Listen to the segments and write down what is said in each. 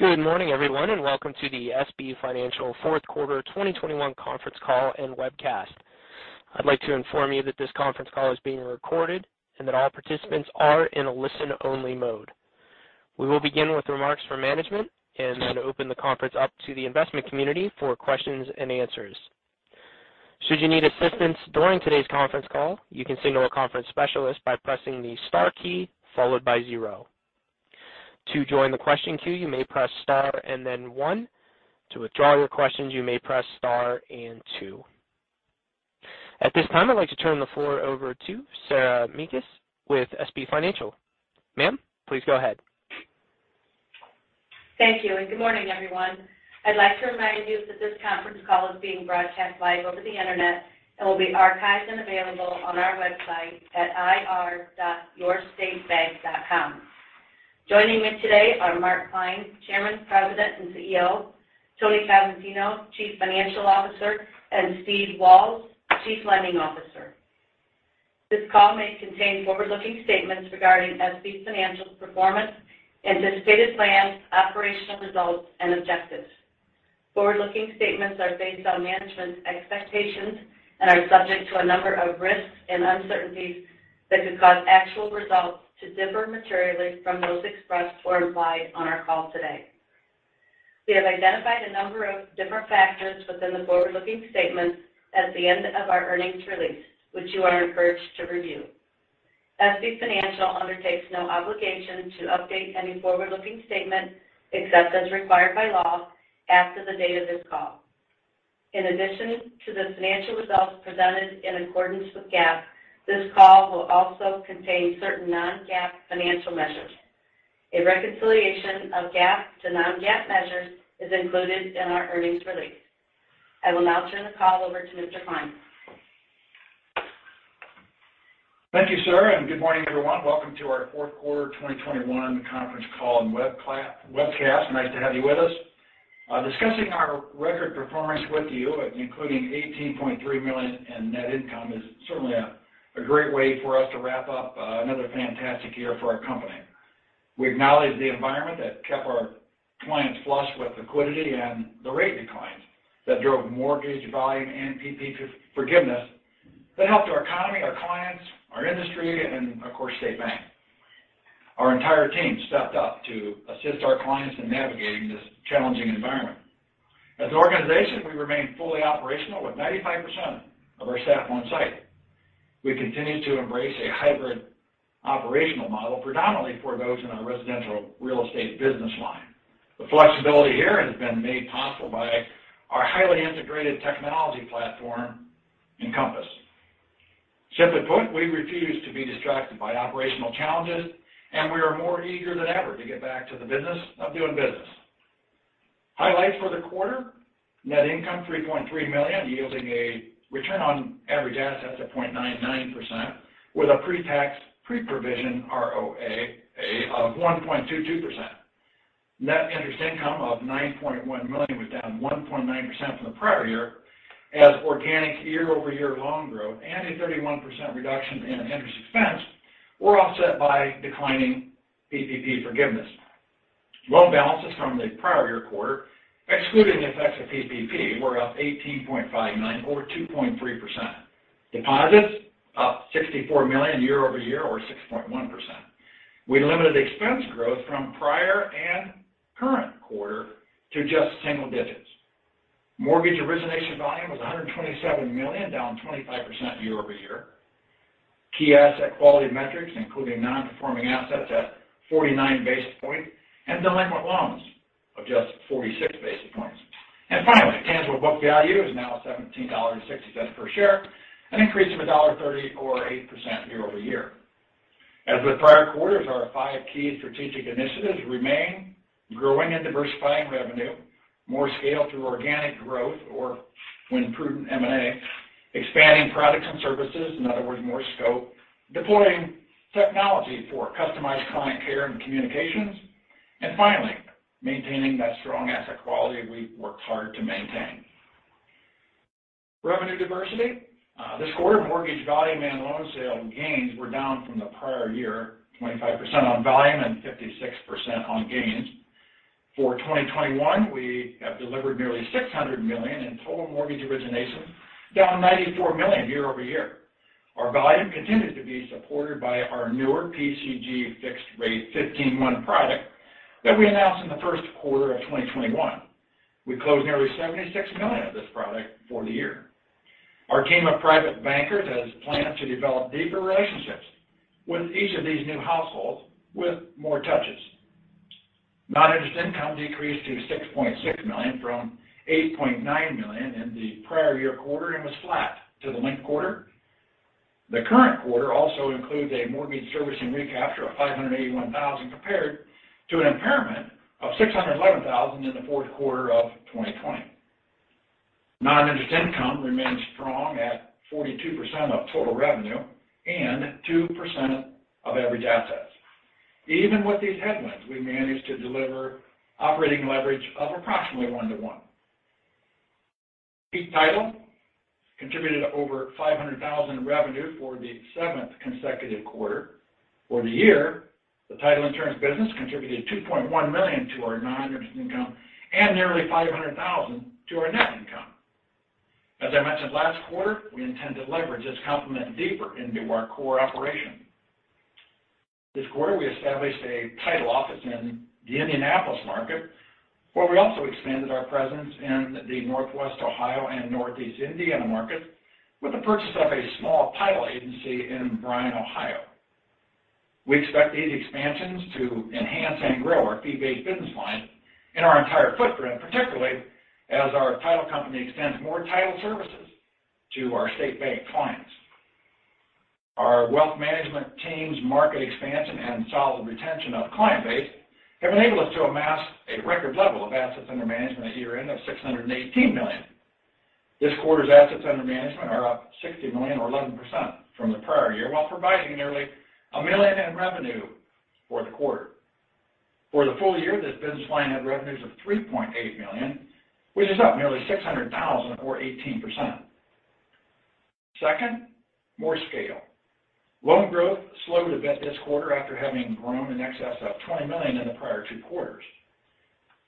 Good morning, everyone, and welcome to the SB Financial Fourth Quarter 2021 Conference Call and Webcast. I'd like to inform you that this conference call is being recorded and that all participants are in a listen only mode. We will begin with remarks from management and then open the conference up to the investment community for questions and answers. Should you need assistance during today's conference call, you can signal a conference specialist by pressing the star key followed by zero. To join the question queue, you may press star and then one. To withdraw your questions, you may press star and two. At this time, I'd like to turn the floor over to Sarah Mekus with SB Financial. Ma'am, please go ahead. Thank you, and good morning, everyone. I'd like to remind you that this conference call is being broadcast live over the Internet and will be archived and available on our website at ir.yourstatebank.com. Joining me today are Mark Klein, Chairman, President, and CEO; Tony Cosentino, Chief Financial Officer; and Steve Walz, Chief Lending Officer. This call may contain forward-looking statements regarding SB Financial's performance, anticipated plans, operational results, and objectives. Forward-looking statements are based on management's expectations and are subject to a number of risks and uncertainties that could cause actual results to differ materially from those expressed or implied on our call today. We have identified a number of different factors within the forward-looking statements at the end of our earnings release, which you are encouraged to review. SB Financial undertakes no obligation to update any forward-looking statement, except as required by law after the date of this call. In addition to the financial results presented in accordance with GAAP, this call will also contain certain non-GAAP financial measures. A reconciliation of GAAP to non-GAAP measures is included in our earnings release. I will now turn the call over to Mr. Klein. Thank you, Sarah, and good morning, everyone. Welcome to our fourth quarter 2021 conference call and webcast. Nice to have you with us. Discussing our record performance with you, including $18.3 million in net income, is certainly a great way for us to wrap up another fantastic year for our company. We acknowledge the environment that kept our clients flush with liquidity and the rate declines that drove mortgage volume and PPP forgiveness that helped our economy, our clients, our industry, and of course, State Bank. Our entire team stepped up to assist our clients in navigating this challenging environment. As an organization, we remain fully operational with 95% of our staff on site. We continue to embrace a hybrid operational model, predominantly for those in our residential real estate business line. The flexibility here has been made possible by our highly integrated technology platform, Encompass. Simply put, we refuse to be distracted by operational challenges, and we are more eager than ever to get back to the business of doing business. Highlights for the quarter. Net income $3.3 million, yielding a return on average assets of 0.99% with a pre-tax, pre-provision ROA of 1.22%. Net interest income of $9.1 million was down 1.9% from the prior year as organic year-over-year loan growth and a 31% reduction in interest expense were offset by declining PPP forgiveness. Loan balances from the prior-year quarter, excluding the effects of PPP, were up $18.5 million or 2.3%. Deposits up $64 million year-over-year or 6.1%. We limited expense growth from prior and current quarter to just single digits. Mortgage origination volume was $127 million, down 25% year-over-year. Key asset quality metrics, including non-performing assets at 49 basis points and delinquent loans of just 46 basis points. Finally, tangible book value is now $17.60 per share, an increase of $1.30 or 8% year-over-year. As with prior quarters, our five key strategic initiatives remain growing and diversifying revenue, more scale through organic growth or when prudent M&A, expanding products and services, in other words, more scope, deploying technology for customized client care and communications, and finally, maintaining that strong asset quality we've worked hard to maintain. Revenue diversity. This quarter, mortgage volume and loan sale gains were down from the prior year, 25% on volume and 56% on gains. For 2021, we have delivered nearly $600 million in total mortgage originations, down $94 million year over year. Our volume continued to be supported by our newer PCG fixed-rate 15-month product that we announced in the first quarter of 2021. We closed nearly $76 million of this product for the year. Our team of private bankers has planned to develop deeper relationships with each of these new households with more touches. Non-interest income decreased to $6.6 million from $8.9 million in the prior year quarter and was flat to the linked quarter. The current quarter also includes a mortgage servicing recapture of $581,000, compared to an impairment of $611,000 in the fourth quarter of 2020. Non-interest income remains strong at 42% of total revenue and 2% of average assets. Even with these headwinds, we managed to deliver operating leverage of approximately one-to-one. Title contributed over $500,000 in revenue for the seventh consecutive quarter. For the year, the title insurance business contributed $2.1 million to our non-interest income and nearly $500,000 to our net income. As I mentioned last quarter, we intend to leverage this complement deeper into our core operation. This quarter, we established a title office in the Indianapolis market, where we also expanded our presence in the Northwest Ohio and Northeast Indiana markets with the purchase of a small title agency in Bryan, Ohio. We expect these expansions to enhance and grow our fee-based business line in our entire footprint, particularly as our title company extends more title services to our State Bank clients. Our wealth management team's market expansion and solid retention of client base have enabled us to amass a record level of assets under management at year-end of $618 million. This quarter's assets under management are up $60 million or 11% from the prior year, while providing nearly $1 million in revenue for the quarter. For the full year, this business line had revenues of $3.8 million, which is up nearly $600,000 or 18%. Second, more scale. Loan growth slowed a bit this quarter after having grown in excess of $20 million in the prior two quarters.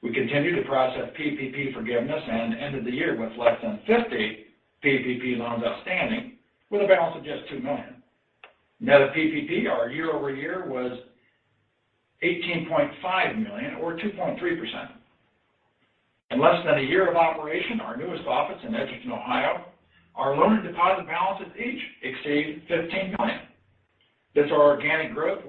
We continued to process PPP forgiveness and ended the year with less than 50 PPP loans outstanding with a balance of just $2 million. Net of PPP, our year-over-year was $18.5 million or 2.3%. In less than a year of operation, our newest office in Edgerton, Ohio, our loan and deposit balances each exceed $15 million. This organic growth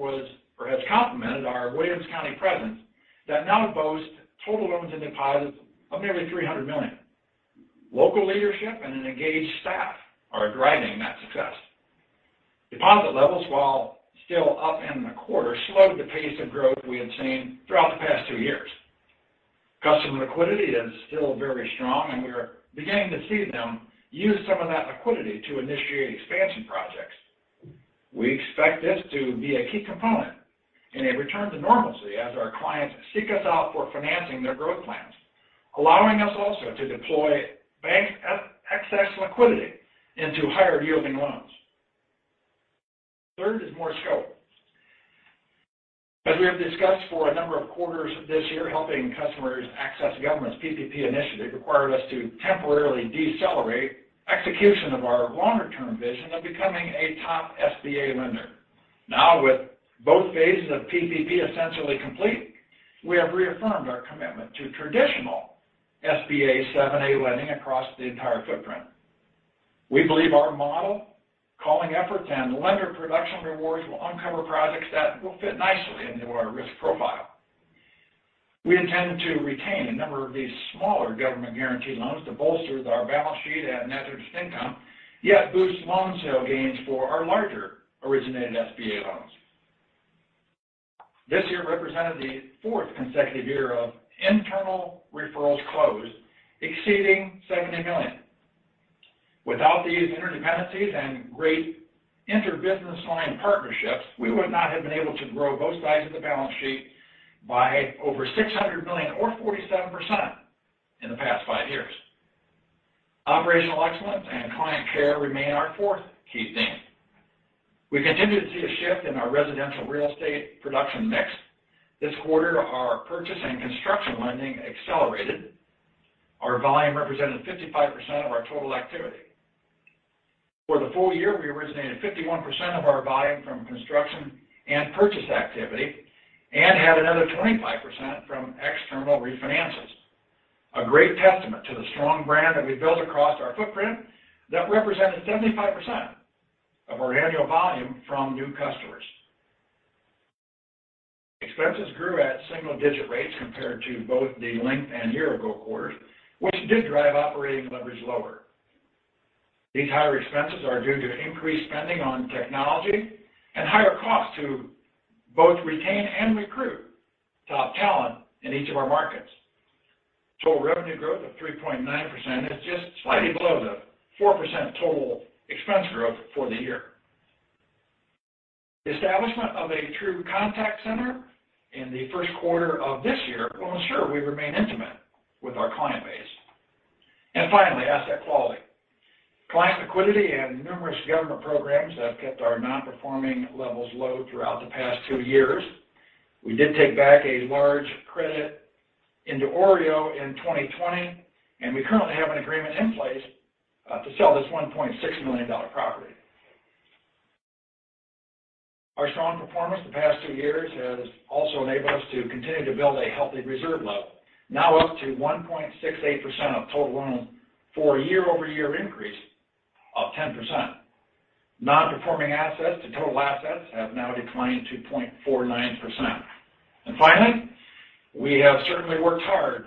has complemented our Williams County presence that now boasts total loans and deposits of nearly $300 million. Local leadership and an engaged staff are driving that success. Deposit levels, while still up in the quarter, slowed the pace of growth we had seen throughout the past two years. Customer liquidity is still very strong, and we are beginning to see them use some of that liquidity to initiate expansion projects. We expect this to be a key component in a return to normalcy as our clients seek us out for financing their growth plans, allowing us also to deploy bank excess liquidity into higher-yielding loans. Third is more scope. As we have discussed for a number of quarters this year, helping customers access the government's PPP initiative required us to temporarily decelerate execution of our longer-term vision of becoming a top SBA lender. Now, with both phases of PPP essentially complete, we have reaffirmed our commitment to traditional SBA Seven A lending across the entire footprint. We believe our model, calling efforts, and lender production rewards will uncover projects that will fit nicely into our risk profile. We intend to retain a number of these smaller government-guaranteed loans to bolster our balance sheet and net interest income, yet boost loan sale gains for our larger originated SBA loans. This year represented the fourth consecutive year of internal referrals closed exceeding $70 million. Without these interdependencies and great inter-business line partnerships, we would not have been able to grow both sides of the balance sheet by over $600 million or 47% in the past five years. Operational excellence and client care remain our fourth key theme. We continue to see a shift in our residential real estate production mix. This quarter, our purchase and construction lending accelerated. Our volume represented 55% of our total activity. For the full year, we originated 51% of our volume from construction and purchase activity and had another 25% from external refinances. A great testament to the strong brand that we built across our footprint that represented 75% of our annual volume from new customers. Expenses grew at single-digit rates compared to both the linked and year-ago quarters, which did drive operating leverage lower. These higher expenses are due to increased spending on technology and higher costs to both retain and recruit top talent in each of our markets. Total revenue growth of 3.9% is just slightly below the 4% total expense growth for the year. Establishment of a true contact center in the first quarter of this year will ensure we remain intimate with our client base. Finally, asset quality. Client liquidity and numerous government programs have kept our non-performing levels low throughout the past two years. We did take back a large credit into OREO in 2020, and we currently have an agreement in place to sell this $1.6 million property. Our strong performance the past two years has also enabled us to continue to build a healthy reserve level, now up to 1.68% of total loans for a year-over-year increase of 10%. Non-performing assets to total assets have now declined to 0.49%. Finally, we have certainly worked hard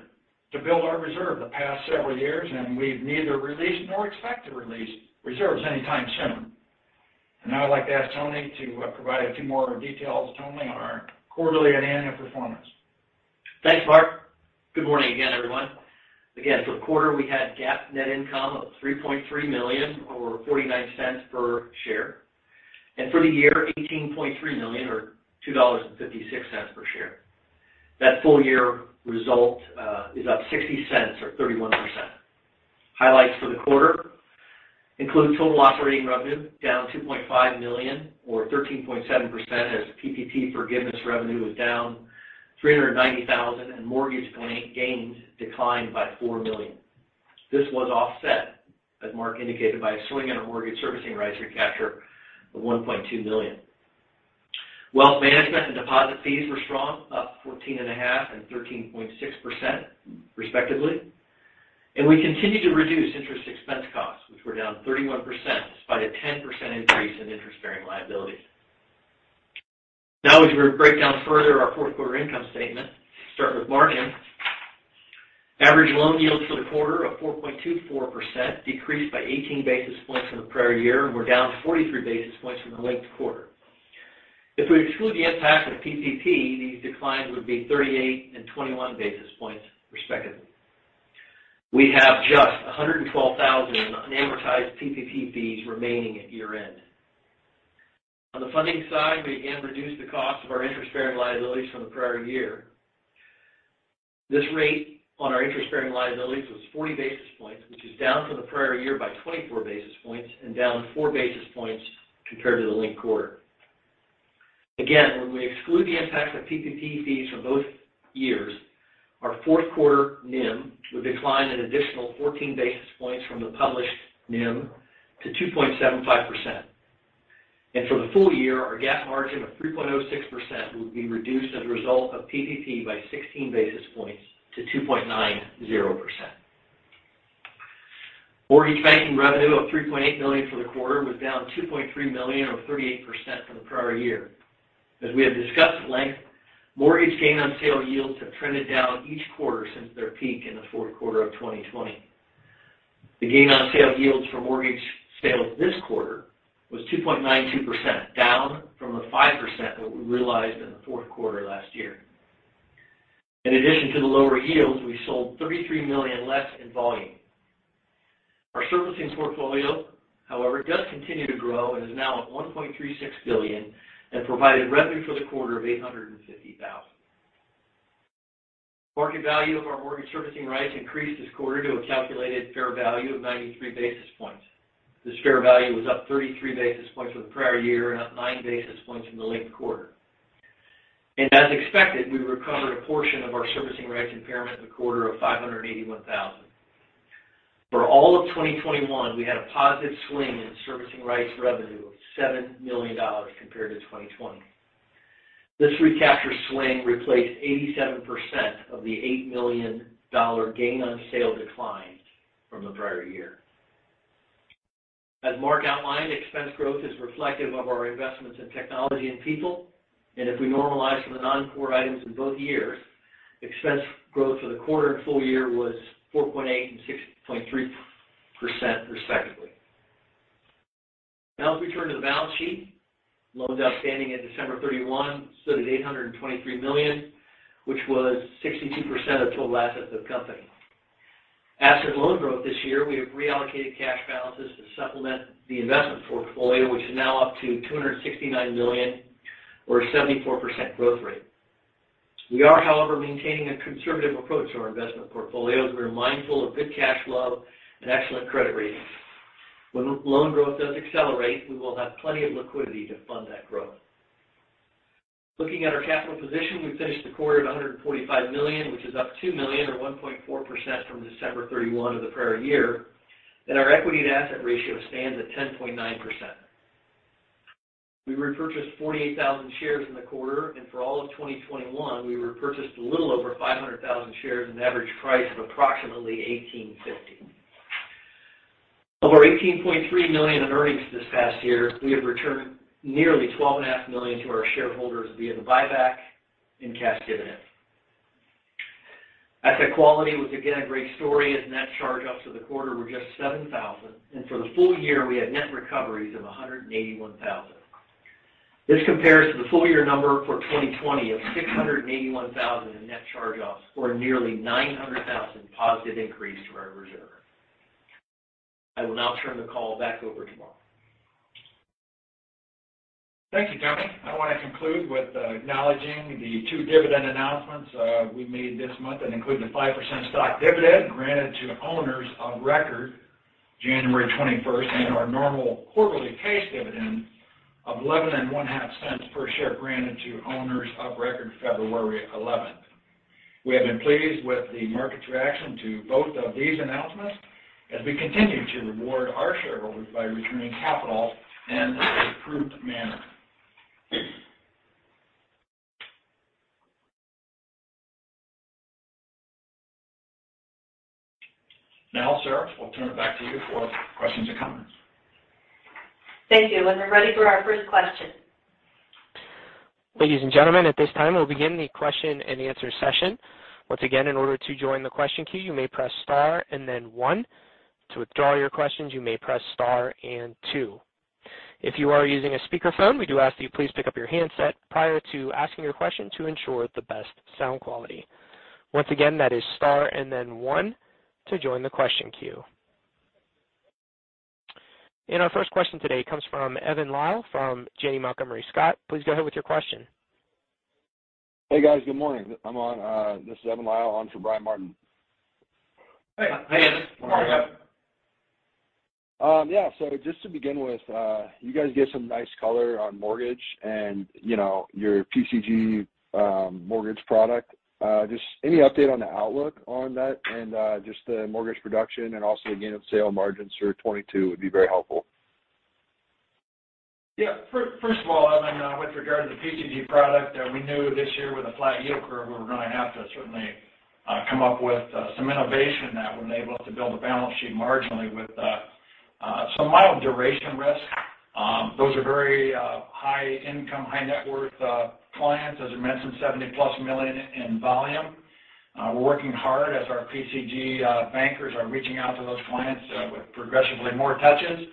to build our reserve the past several years, and we've neither released nor expect to release reserves anytime soon. Now I'd like to ask Tony to provide a few more details, Tony, on our quarterly and annual performance. Thanks, Mark. Good morning again, everyone. Again, for the quarter, we had GAAP net income of $3.3 million or $0.49 per share. For the year, $18.3 million or $2.56 per share. That full year result is up $0.60 or 31%. Highlights for the quarter include total operating revenue down $2.5 million or 13.7% as PPP forgiveness revenue was down $390,000, and mortgage gains declined by $4 million. This was offset, as Mark indicated, by a swing in our mortgage servicing rights recapture of $1.2 million. Wealth management and deposit fees were strong, up 14.5% and 13.6% respectively. We continue to reduce interest expense costs, which were down 31% despite a 10% increase in interest-bearing liabilities. Now, as we break down further our fourth quarter income statement, start with margin. Average loan yields for the quarter of 4.24% decreased by 18 basis points from the prior year and were down 43 basis points from the linked quarter. If we exclude the impact of PPP, these declines would be 38 and 21 basis points respectively. We have just 112,000 unamortized PPP fees remaining at year-end. On the funding side, we again reduced the cost of our interest-bearing liabilities from the prior year. This rate on our interest-bearing liabilities was 40 basis points, which is down from the prior year by 24 basis points and down 4 basis points compared to the linked quarter. Again, when we exclude the impact of PPP fees from both years, our fourth quarter NIM would decline an additional 14 basis points from the published NIM to 2.75%. For the full year, our GAAP margin of 3.06% will be reduced as a result of PPP by 16 basis points to 2.90%. Mortgage banking revenue of $3.8 million for the quarter was down $2.3 million or 38% from the prior year. As we have discussed at length, mortgage gain on sale yields have trended down each quarter since their peak in the fourth quarter of 2020. The gain on sale yields for mortgage sales this quarter was 2.92%, down from the 5% that we realized in the fourth quarter last year. In addition to the lower yields, we sold $33 million less in volume. Our servicing portfolio, however, does continue to grow and is now at $1.36 billion and provided revenue for the quarter of $850,000. Market value of our mortgage servicing rights increased this quarter to a calculated fair value of 93 basis points. This fair value was up 33 basis points from the prior year and up 9 basis points from the linked quarter. As expected, we recovered a portion of our servicing rights impairment in the quarter of $581,000. For all of 2021, we had a positive swing in servicing rights revenue of $7 million compared to 2020. This recapture swing replaced 87% of the $8 million gain on sale declines from the prior year. As Mark outlined, expense growth is reflective of our investments in technology and people. If we normalize for the non-core items in both years, expense growth for the quarter and full year was 4.8% and 6.3% respectively. Now, if we turn to the balance sheet, loans outstanding at December 31 stood at $823 million, which was 62% of total assets of the company. Asset loan growth this year, we have reallocated cash balances to supplement the investment portfolio, which is now up to $269 million or 74% growth rate. We are, however, maintaining a conservative approach to our investment portfolio as we are mindful of good cash flow and excellent credit ratings. When loan growth does accelerate, we will have plenty of liquidity to fund that growth. Looking at our capital position, we finished the quarter at $145 million, which is up $2 million or 1.4% from December 31 of the prior year, and our equity to assets ratio stands at 10.9%. We repurchased 48,000 shares in the quarter, and for all of 2021, we repurchased a little over 500,000 shares at an average price of approximately $18.50. Of our $18.3 million in earnings this past year, we have returned nearly $12.5 million to our shareholders via the buyback and cash dividend. Asset quality was again a great story as net charge-offs for the quarter were just $7,000, and for the full year, we had net recoveries of $181,000. This compares to the full year number for 2020 of $681,000 in net charge-offs, or nearly $900,000 positive increase to our reserve. I will now turn the call back over to Mark. Thank you, Tony. I want to conclude with acknowledging the two dividend announcements we made this month that include the 5% stock dividend granted to owners of record January 21st and our normal quarterly cash dividend of $0.115 per share granted to owners of record February 11. We have been pleased with the market's reaction to both of these announcements as we continue to reward our shareholders by returning capital in an improved manner. Now, Sarah, we'll turn it back to you for questions or comments. Thank you. We're ready for our first question. Ladies and gentlemen, at this time, we'll begin the question and answer session. Once again, in order to join the question queue, you may press star and then one. To withdraw your questions, you may press star and two. If you are using a speakerphone, we do ask that you please pick up your handset prior to asking your question to ensure the best sound quality. Once again, that is star and then one to join the question queue. Our first question today comes from Evan Lisle from Janney Montgomery Scott. Please go ahead with your question. Hey, guys. Good morning. This is Evan Lisle on for Brian Martin. Hey. Good morning, Evan. Yeah, just to begin with, you guys gave some nice color on mortgage and, you know, your PCG mortgage product. Just any update on the outlook on that and just the mortgage production and also gain on sale margins for 2022 would be very helpful. Yeah. First of all, Evan, with regard to the PCG product, we knew this year with a flat yield curve, we were going to have to certainly come up with some innovation that would enable us to build a balance sheet marginally with some mild duration risk. Those are very high income, high net worth clients, as I mentioned, $70+ million in volume. We're working hard as our PCG bankers are reaching out to those clients with progressively more touches.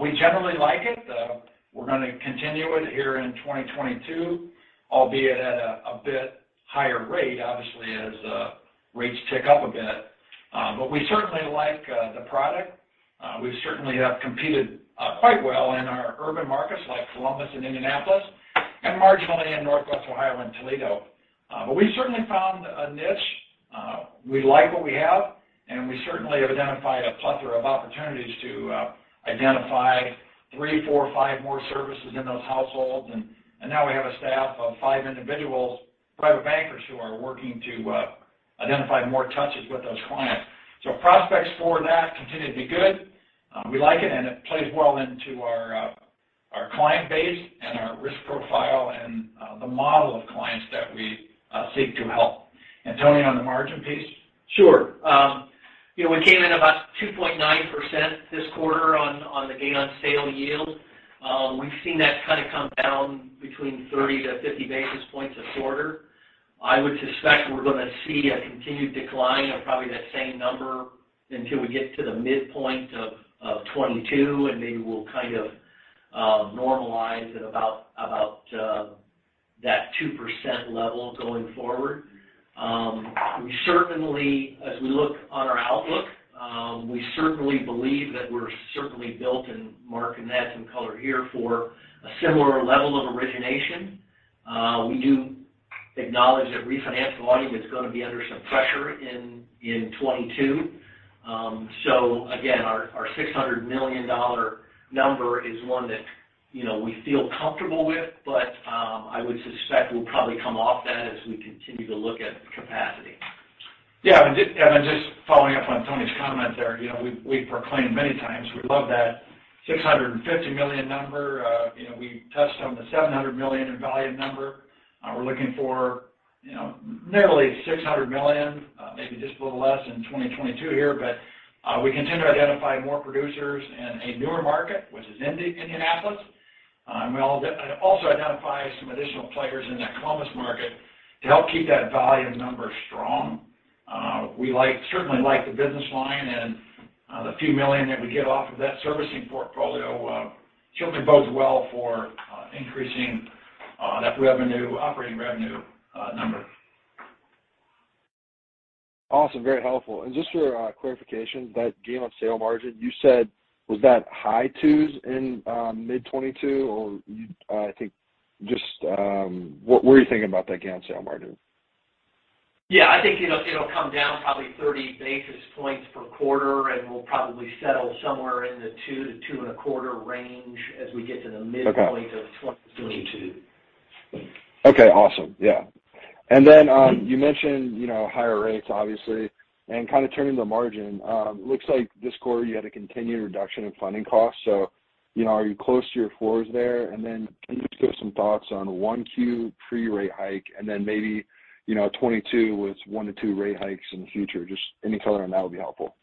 We generally like it, we're gonna continue it here in 2022, albeit at a bit higher rate, obviously, as rates tick up a bit. We certainly like the product. We certainly have competed quite well in our urban markets like Columbus and Indianapolis, and marginally in Northwest Ohio and Toledo. We certainly found a niche. We like what we have, and we certainly have identified a plethora of opportunities to identify three, four, five more services in those households. Now we have a staff of five individuals, private bankers who are working to identify more touches with those clients. Prospects for that continue to be good. We like it and it plays well into our client base and our risk profile and the model of clients that we seek to help. Tony, on the margin piece. Sure. You know, we came in about 2.9% this quarter on the gain on sale yield. We've seen that kind of come down between 30-50 basis points a quarter. I would suspect we're gonna see a continued decline of probably that same number until we get to the midpoint of 2022, and maybe we'll kind of normalize at about that 2% level going forward. We certainly, as we look on our outlook, we certainly believe that we're certainly built, and Mark and add some color here for a similar level of origination. We do acknowledge that refinance volume is gonna be under some pressure in 2022. Again, our $600 million number is one that, you know, we feel comfortable with. I would suspect we'll probably come off that as we continue to look at capacity. Yeah. Just following up on Tony's comment there, you know, we've proclaimed many times we'd love that $650 million number. You know, we touched on the $700 million in volume number. We're looking for, you know, narrowly $600 million, maybe just a little less in 2022 here. We continue to identify more producers in a newer market, which is Indianapolis. Also identify some additional players in that Columbus market to help keep that volume number strong. We certainly like the business line and the few million that we get off of that servicing portfolio should bode well for increasing that revenue, operating revenue number. Awesome. Very helpful. Just for clarification, that gain on sale margin, you said, was that high 2s in mid 2022? I think just what are you thinking about that gain on sale margin? Yeah, I think it'll come down probably 30 basis points per quarter, and we'll probably settle somewhere in the 2%-2.25% range as we get to the midpoint of 2022. Okay, awesome. Yeah. You mentioned, you know, higher rates obviously, and kind of turning the margin. Looks like this quarter you had a continued reduction in funding costs. You know, are you close to your fours there? Can you just give some thoughts on 1Q pre-rate hike and then maybe, you know, 2022 with one-two rate hikes in the future? Just any color on that would be helpful.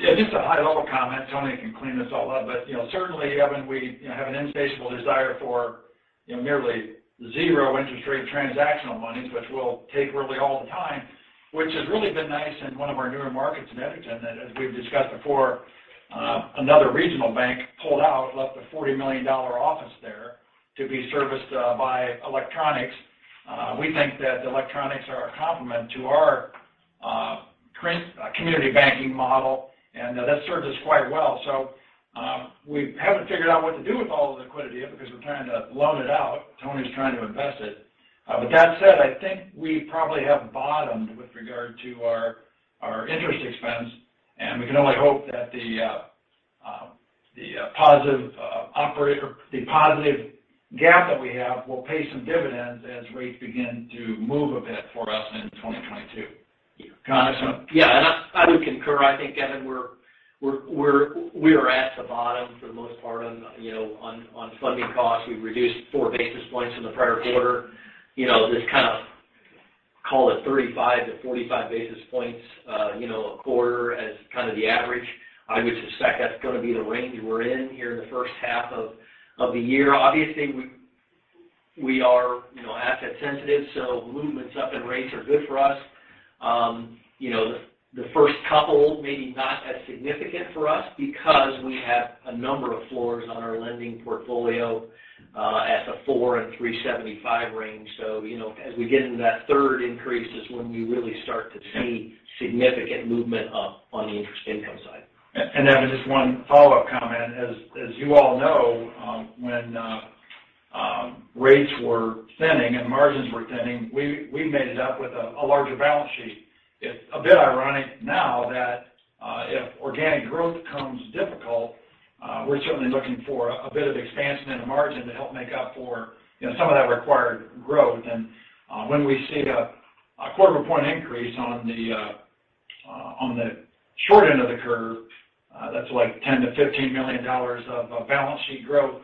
Yeah, just a high level comment. Tony can clean this all up. You know, certainly, Evan, we, you know, have an insatiable desire for, you know, nearly zero interest rate transactional monies, which we'll take really all the time, which has really been nice in one of our newer markets in Edgerton. As we've discussed before, another regional bank pulled out, left a $40 million deposit there to be serviced by electronics. We think that electronics are a complement to our community banking model, and that served us quite well. We haven't figured out what to do with all of the liquidity yet because we're trying to loan it out. Tony's trying to invest it. With that said, I think we probably have bottomed with regard to our interest expense, and we can only hope that the positive gap that we have will pay some dividends as rates begin to move a bit for us in 2022. Got it. So. Yeah. I would concur. I think, Evan, we are at the bottom for the most part on, you know, on funding costs. We have reduced 4 basis points in the prior quarter. You know, this kind of call it 35-45 basis points, you know, a quarter as kind of the average. I would suspect that's gonna be the range we're in here in the first half of the year. Obviously, we are, you know, asset sensitive, so movements up in rates are good for us. You know, the first couple maybe not as significant for us because we have a number of floors on our lending portfolio at the 4 and 3.75 range. You know, as we get into that third increase is when we really start to see significant movement up on the interest income side. Evan, just one follow-up comment. As you all know, when rates were thinning and margins were thinning, we made it up with a larger balance sheet. It's a bit ironic now that if organic growth becomes difficult, we're certainly looking for a bit of expansion in the margin to help make up for, you know, some of that required growth. When we see a quarter of a point increase on the short end of the curve, that's like $10 million-$15 million of balance sheet growth.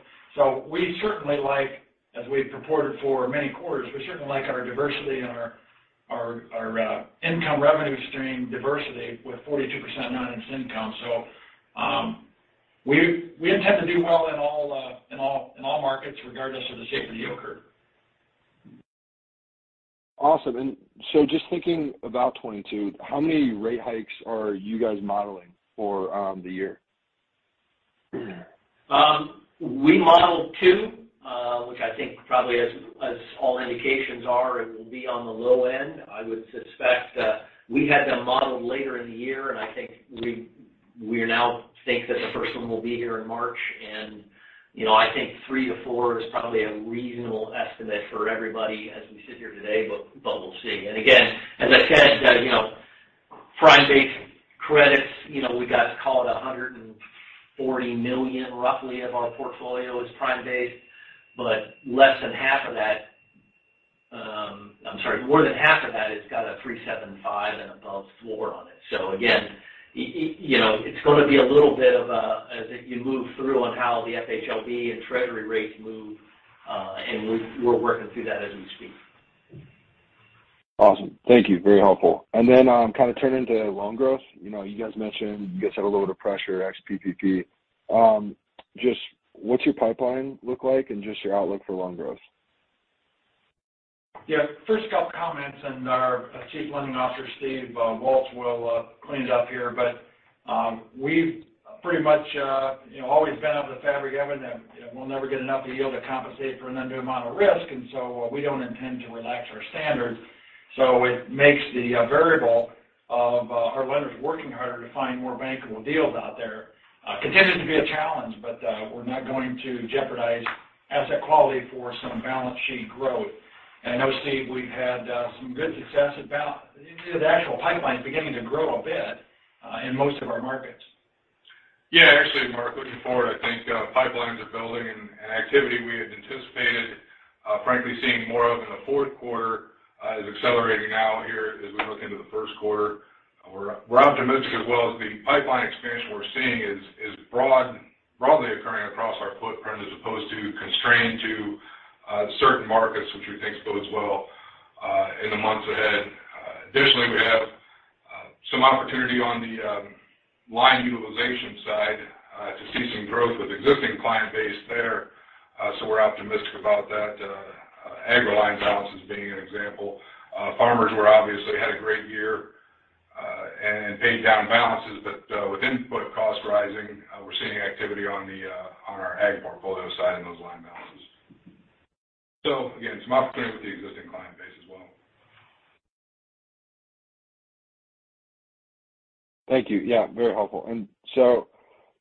We certainly like, as we've purported for many quarters, we certainly like our diversity and our income revenue stream diversity with 42% non-interest income. We intend to do well in all markets regardless of the shape of the yield curve. Awesome. Just thinking about 2022, how many rate hikes are you guys modeling for the year? We modeled two, which I think probably as all indications are, it will be on the low end. I would suspect we had them modeled later in the year, and I think we now think that the first one will be here in March. You know, I think three-four is probably a reasonable estimate for everybody as we sit here today, but we'll see. Again, as I said, you know, prime-based credits, you know, we got to call it $140 million roughly of our portfolio is prime-based, but less than half of that. I'm sorry, more than half of that has got a 3.75 and above floor on it. Again, you know, it's going to be a little bit of a, as you move through on how the FHLB and Treasury rates move, and we're working through that as we speak. Awesome. Thank you. Very helpful. Then, kind of turning to loan growth. You know, you guys mentioned you guys have a little bit of pressure ex PPP. Just what's your pipeline look like and just your outlook for loan growth? Yeah. First couple comments, and our Chief Lending Officer, Steve Walz, will clean it up here. We've pretty much you know always been part of the fabric, Evan, that we'll never get enough of yield to compensate for an undue amount of risk, and so we don't intend to relax our standards. It makes the variable of our lenders working harder to find more bankable deals out there continues to be a challenge. We're not going to jeopardize asset quality for some balance sheet growth. I know, Steve, we've had some good success. The actual pipeline is beginning to grow a bit in most of our markets. Yeah. Actually, Mark, looking forward, I think pipelines are building and activity we had anticipated frankly seeing more of in the fourth quarter is accelerating now here as we look into the first quarter. We're optimistic as well as the pipeline expansion we're seeing is broadly occurring across our footprint as opposed to constrained to certain markets, which we think bodes well in the months ahead. Additionally, we have some opportunity on the line utilization side to see some growth with existing client base there. So we're optimistic about that. Ag line balances being an example. Farmers were obviously had a great year and paid down balances. But with input costs rising, we're seeing activity on our ag portfolio side and those line balances. Again, some opportunity with the existing client base as well. Thank you. Yeah, very helpful.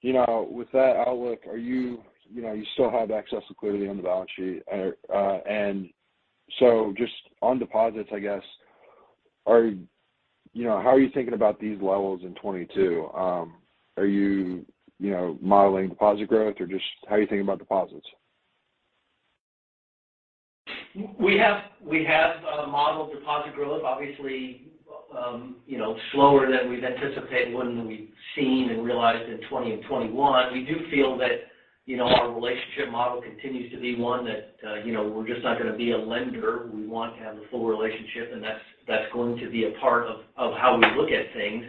You know, with that outlook, you still have access to liquidity on the balance sheet. Just on deposits, I guess, you know, how are you thinking about these levels in 2022? Are you know, modeling deposit growth or just how are you thinking about deposits? We have modeled deposit growth, obviously, you know, slower than we've anticipated when we've seen and realized in 2020 and 2021. We do feel that, you know, our relationship model continues to be one that, you know, we're just not going to be a lender. We want to have the full relationship, and that's going to be a part of how we look at things.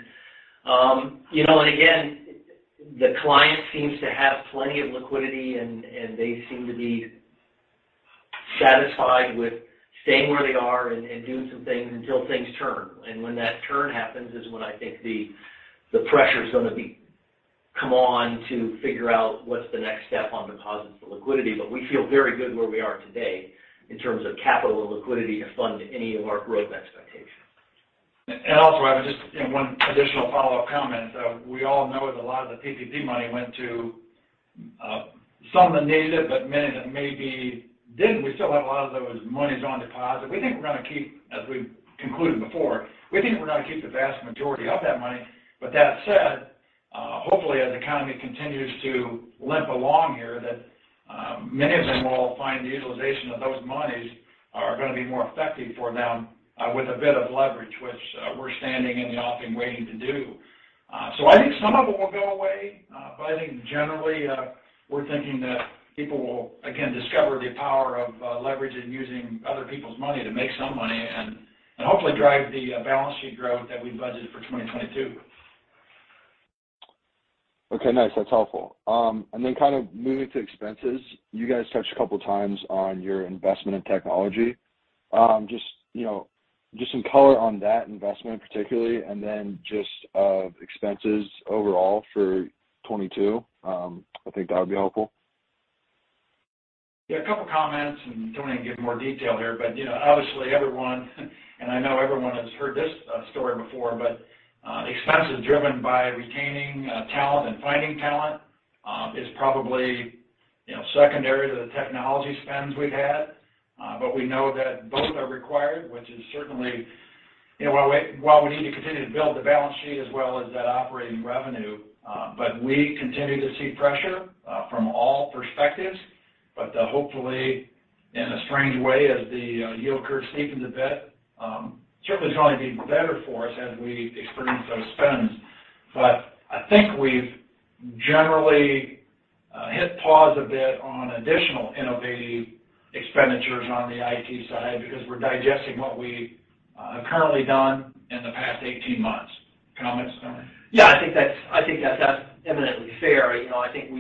You know, and again, the client seems to have plenty of liquidity, and they seem to be satisfied with staying where they are and doing some things until things turn. When that turn happens is when I think the pressure is gonna become to figure out what's the next step on deposits for liquidity. We feel very good where we are today in terms of capital and liquidity to fund any of our growth expectations. Also, I would just, you know, one additional follow-up comment. We all know that a lot of the PPP money went to some that needed it, but many that maybe didn't. We still have a lot of those monies on deposit. We think we're going to keep, as we've concluded before, the vast majority of that money. That said, hopefully, as the economy continues to limp along here, that many of them will find the utilization of those monies are going to be more effective for them with a bit of leverage, which we're standing in the offering waiting to do. I think some of it will go away, but I think generally, we're thinking that people will again discover the power of leverage and using other people's money to make some money and hopefully drive the balance sheet growth that we budgeted for 2022. Okay. Nice. That's helpful. Kind of moving to expenses. You guys touched a couple times on your investment in technology. Just, you know, just some color on that investment particularly, and then just expenses overall for 2022. I think that would be helpful. Yeah, a couple of comments, and Tony can give more detail here. You know, obviously everyone, and I know everyone has heard this story before, but expenses driven by retaining talent and finding talent is probably, you know, secondary to the technology spends we've had. We know that both are required, which is certainly, you know, while we need to continue to build the balance sheet as well as that operating revenue. We continue to see pressure from all perspectives. Hopefully, in a strange way, as the yield curve steepens a bit, certainly it's going to be better for us as we experience those spends. I think we've generally hit pause a bit on additional innovation expenditures on the IT side because we're digesting what we have currently done in the past 18 months. Comments, Tony? Yeah, I think that's eminently fair. You know, I think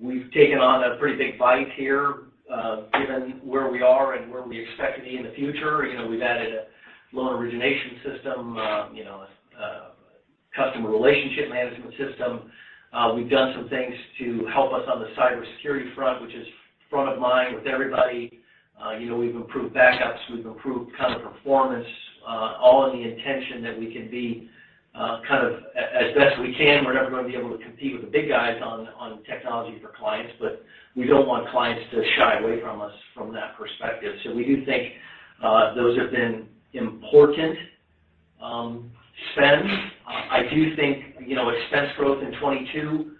we've taken on a pretty big bite here, given where we are and where we expect to be in the future. You know, we've added a loan origination system, a customer relationship management system. We've done some things to help us on the cybersecurity front, which is front of mind with everybody. You know, we've improved backups, we've improved kind of performance, all with the intention that we can be as best we can. We're never going to be able to compete with the big guys on technology for clients, but we don't want clients to shy away from us from that perspective. So we do think those have been important spends. I do think, you know, expense growth in 2022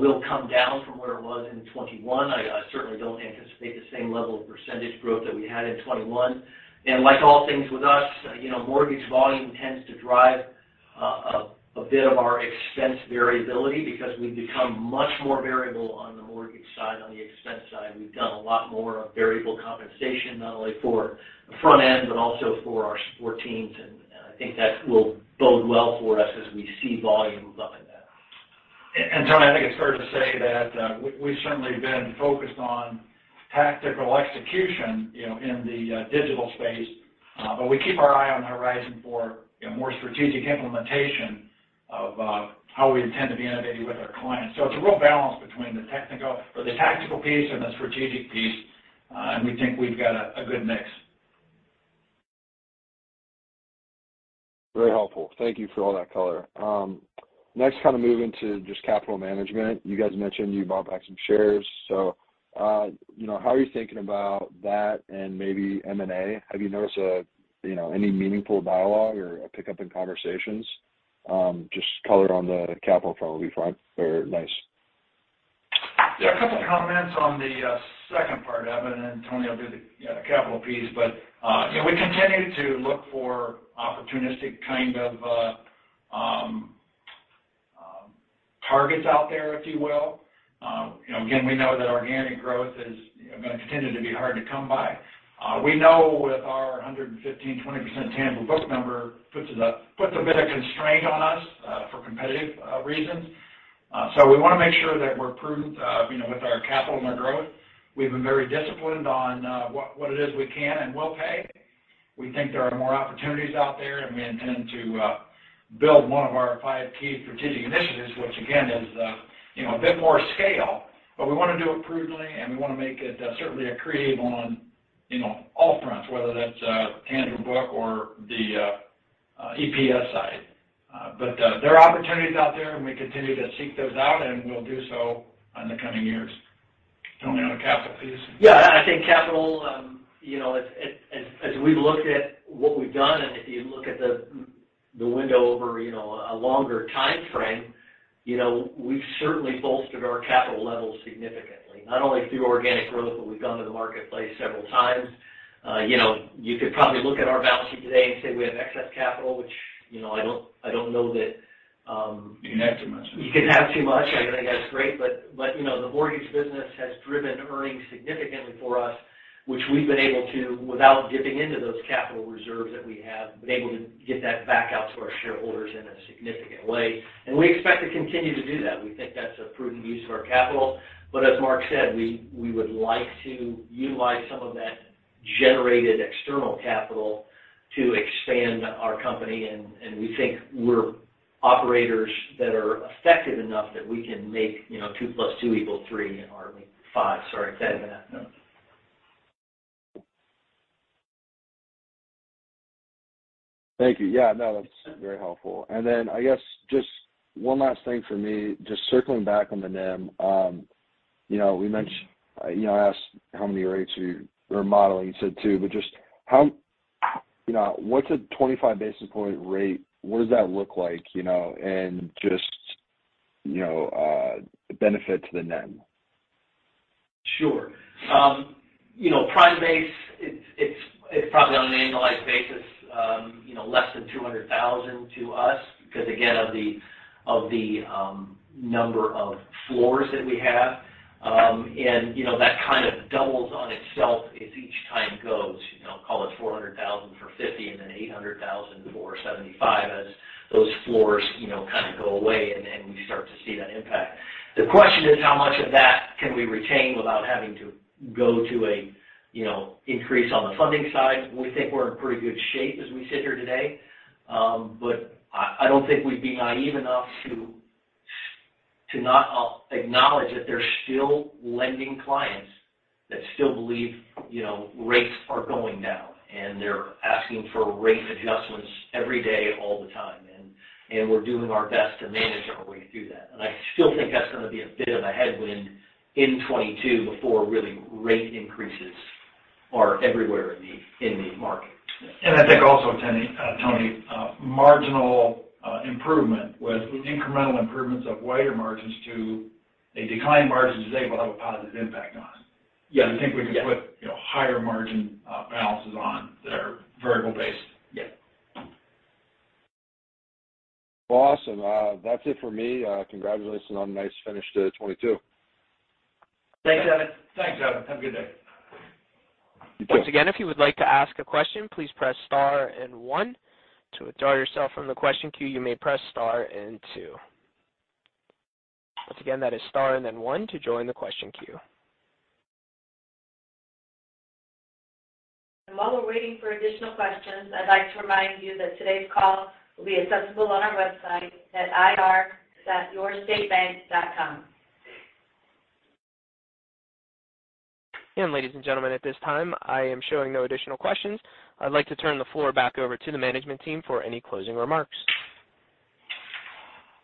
will come down from where it was in 2021. I certainly don't anticipate the same level of percentage growth that we had in 2021. Like all things with us, you know, mortgage volume tends to drive a bit of our expense variability because we've become much more variable on the mortgage side, on the expense side. We've done a lot more of variable compensation, not only for the front end, but also for our support teams. I think that will bode well for us as we see volumes up in that. Tony, I think it's fair to say that, we've certainly been focused on tactical execution, you know, in the digital space. We keep our eye on the horizon for a more strategic implementation of how we intend to be innovating with our clients. It's a real balance between the technical or the tactical piece and the strategic piece. We think we've got a good mix. Very helpful. Thank you for all that color. Next, kind of moving to just capital management. You guys mentioned you bought back some shares. You know, how are you thinking about that and maybe M&A? Have you noticed, you know, any meaningful dialogue or a pickup in conversations? Just color on the capital front would be fine or nice. Yeah, a couple of comments on the second part, Evan, and Tony will do the, you know, the capital piece. You know, we continue to look for opportunistic kind of targets out there, if you will. You know, again, we know that organic growth is, you know, going to continue to be hard to come by. We know with our 115%-120% tangible book number puts a bit of constraint on us for competitive reasons. So we want to make sure that we're prudent, you know, with our capital and our growth. We've been very disciplined on what it is we can and will pay. We think there are more opportunities out there, and we intend to build one of our five key strategic initiatives, which again is, you know, a bit more scale. We want to do it prudently, and we want to make it certainly accretive on, you know, all fronts, whether that's tangible book or the EPS side. There are opportunities out there, and we continue to seek those out, and we'll do so in the coming years. Tony, on the capital piece. Yeah. I think capital, you know, as we've looked at what we've done, and if you look at the window over, you know, a longer timeframe, you know, we've certainly bolstered our capital levels significantly. Not only through organic growth, but we've gone to the marketplace several times. You know, you could probably look at our balance sheet today and say we have excess capital, which, you know, I don't know that. You can have too much. You can have too much. I think that's great. You know, the mortgage business has driven earnings significantly for us, which we've been able to, without dipping into those capital reserves that we have, been able to get that back out to our shareholders in a significant way. We expect to continue to do that. We think that's a prudent use of our capital. As Mark said, we would like to utilize some of that generated external capital to expand our company. We think we're operators that are effective enough that we can make, you know, two plus two equal three, or I mean five. Sorry, said that. No. Thank you. Yeah, no, that's very helpful. I guess just one last thing for me, just circling back on the NIM. You know, I asked how many rates you were modeling. You said two, but just how, you know, what's a 25 basis point rate? What does that look like, you know? Just, you know, benefit to the NIM. Sure. You know, prime base, it's probably on an annualized basis, you know, less than $200,000 to us because again, of the number of floors that we have. You know, that kind of doubles on itself as each time goes. You know, call it $400,000 for 50 and then $800,000 for 75 as those floors, you know, kind of go away and then we start to see that impact. The question is how much of that can we retain without having to go to a, you know, increase on the funding side? We think we're in pretty good shape as we sit here today. I don't think we'd be naive enough to not acknowledge that there's still lending clients that still believe, you know, rates are going down, and they're asking for rate adjustments every day all the time. We're doing our best to manage our way through that. I still think that's gonna be a bit of a headwind in 2022 before really rate increases are everywhere in the market. I think also, Tony, marginal improvement with incremental improvements or wider margins to declining margins they will have a positive impact on. Yeah. I think we can put, you know, higher margin balances on that are vertical based. Yeah. Well, awesome. That's it for me. Congratulations on a nice finish to 2022. Thanks, Evan. Thanks, Evan. Have a good day. You too. Once again, if you would like to ask a question, please press star and one. To withdraw yourself from the question queue, you may press star and two. Once again, that is star and then one to join the question queue. While we're waiting for additional questions, I'd like to remind you that today's call will be accessible on our website at ir.yourstatebank.com. Ladies and gentlemen, at this time, I am showing no additional questions. I'd like to turn the floor back over to the management team for any closing remarks.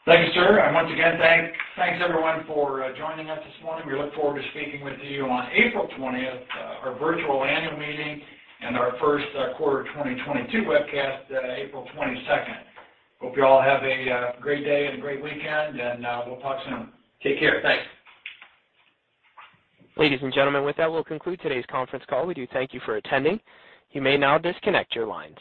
Thanks, sir. Once again, thanks everyone for joining us this morning. We look forward to speaking with you on April 20th, our virtual annual meeting and our first quarter 2022 webcast, April 22nd. Hope you all have a great day and a great weekend, and we'll talk soon. Take care. Thanks. Ladies and gentlemen, with that, we'll conclude today's conference call. We do thank you for attending. You may now disconnect your lines.